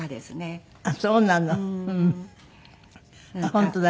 本当だ。